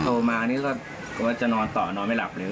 ตอนนี้ก็คิดว่านอนต่อนอนไม่หลับเลย